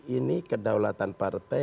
ini kedaulatan partai